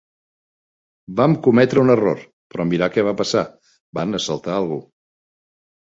Vam cometre un error, però mirar què va passar: van assaltar algú.